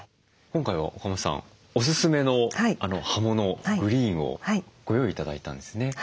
今回は岡本さんおすすめの葉物グリーンをご用意頂いたんですね？